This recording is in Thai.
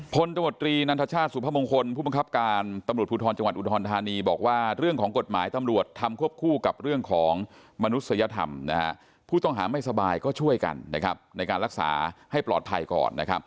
ตมตรีนันทชาติสุพมงคลผู้บังคับการตำรวจภูทรจังหวัดอุดรธานีบอกว่าเรื่องของกฎหมายตำรวจทำควบคู่กับเรื่องของมนุษยธรรมผู้ต้องหาไม่สบายก็ช่วยกันในการรักษาให้ปลอดภัยก่อน